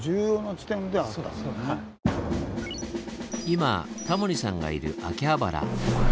今タモリさんがいる秋葉原。